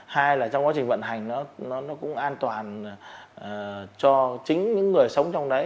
hai là trong quá trình vận hành nó cũng an toàn cho chính những người sống trong đấy